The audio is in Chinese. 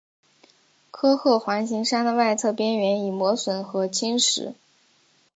科赫环形山的外侧边缘已磨损和侵蚀。